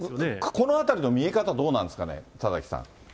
このあたりの見え方、どうなんですかね、田崎さん。